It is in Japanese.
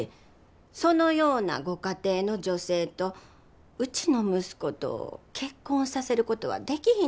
そのようなご家庭の女性とうちの息子と結婚させることはできひんのです。